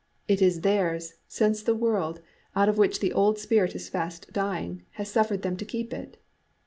It is theirs, since the world, out of which the old spirit is fast dying, has suffered them to keep it.